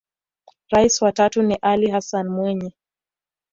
Rais wa tatu ni Ally Hassan Mwinyi